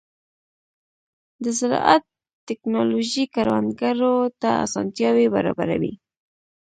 د زراعت ټیکنالوژي کروندګرو ته اسانتیاوې برابروي.